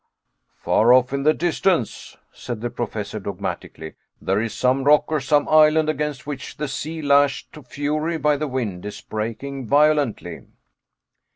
"Far off in the distance," said the Professor dogmatically, "there is some rock or some island against which the sea lashed to fury by the wind, is breaking violently."